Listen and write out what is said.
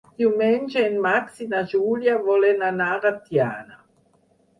Diumenge en Max i na Júlia volen anar a Tiana.